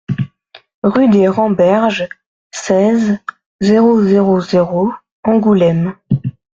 Rue des Remberges, seize, zéro zéro zéro Angoulême